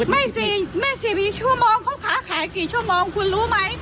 ไม่สิไม่ถึง๒๔ชั่วโมงเขาขาขายกี่ชั่วโมงคุณรู้ไหม